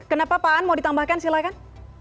kenapa pak aan mau ditambahkan silahkan